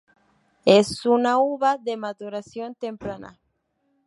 Es una uva de maduración temprana.